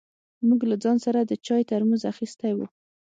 موږ له ځان سره د چای ترموز اخيستی و.